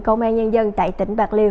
công an nhân dân tại tỉnh bạc liêu